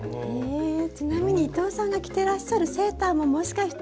ちなみに伊藤さんが着ていらっしゃるセーターももしかして。